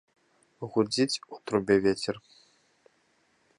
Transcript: Гудзіць у трубе вецер.